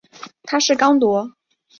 他是刚铎。